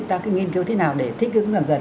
ta cứ nghiên cứu thế nào để thích ứng làm dần dần